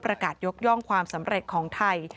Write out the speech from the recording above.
ประกาศยกย่องความสำเร็จของไทย